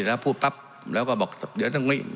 แล้วพูดปั๊บแล้วก็บอกเดี๋ยวนั้นนนี่